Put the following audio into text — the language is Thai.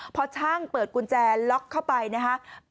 พอช่างเปิดกุญแจล็อกเข้าไปนะครับ